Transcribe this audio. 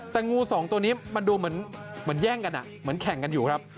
แต่งูสองตัวนี้มันดูเหมือนแย่งกันเหมือนแข่งกันอยู่ครับ